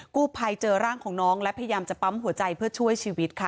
กู้ภัยเจอร่างของน้องและพยายามจะปั๊มหัวใจเพื่อช่วยชีวิตค่ะ